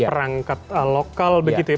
perangkat lokal begitu ya